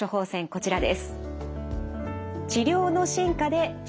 こちらです。